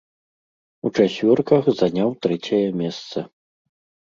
У чацвёрках заняў трэцяе месца.